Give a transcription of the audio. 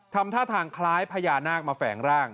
ทำท่าทางคล้ายพญานาคมาแฝงร่าง